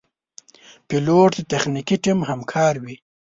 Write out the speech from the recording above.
پیلوټ د تخنیکي ټیم همکار وي.